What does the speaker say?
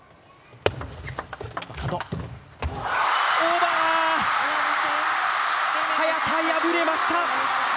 オーバー、早田、敗れました。